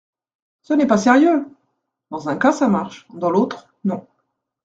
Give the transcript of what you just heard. Ce n’est pas sérieux ! Dans un cas, ça marche, dans l’autre, non.